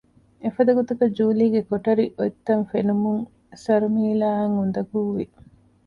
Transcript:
އެފަދަ ގޮތަކަށް ޖޫލީގެ ކޮޓަރި އޮތްތަން ފެނުމުން ސަރުމީލާއަށް އުނދަގޫވި